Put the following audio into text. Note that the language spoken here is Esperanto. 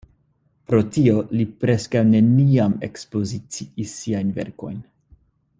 Pro tio li preskaŭ neniam ekspoziciis siajn verkojn.